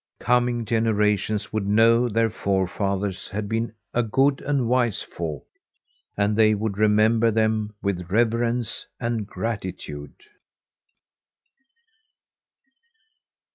Coming generations would know their forefathers had been a good and wise folk and they would remember them with reverence and gratitude.